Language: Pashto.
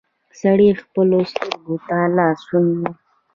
سړي خپلو سترګو ته لاس ونيو.